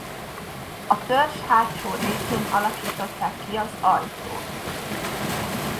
A törzs hátsó részén alakították ki az ajtót.